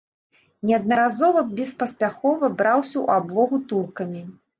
Неаднаразова беспаспяхова браўся ў аблогу туркамі.